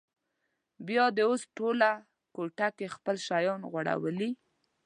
بیا دې اوس ټوله کوټه کې خپل شیان غوړولي.